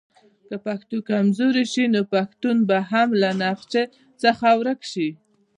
که پښتو کمزورې شي نو پښتون به هم له نقشه څخه ورک شي.